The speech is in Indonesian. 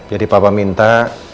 jadi papa minta